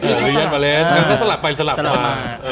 จังก็สลับไปสลับมา